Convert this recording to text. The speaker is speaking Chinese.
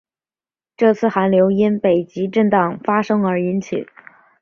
这次寒流因北极震荡发生而引起。